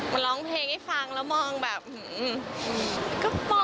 มันร้องเพลงให้ฟังแล้วมองแบบหืออือ